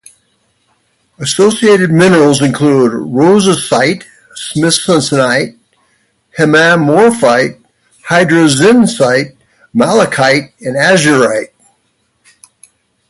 Associated minerals include: rosasite, smithsonite, hemimorphite, hydrozincite, malachite and azurite.